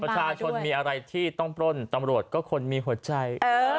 ประชาชนมีอะไรที่ต้องปล้นตำรวจก็คนมีหัวใจ